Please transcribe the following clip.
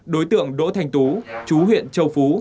đối tượng đỗ thành tú chú huyện châu phú